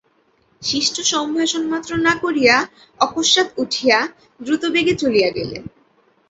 শিষ্টসম্ভাষণমাত্র না করিয়া অকস্মাৎ উঠিয়া দ্রুতবেগে চলিয়া গেলেন।